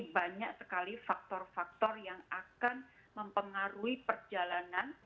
banyak sekali faktor faktor yang akan mempengaruhi perjalanan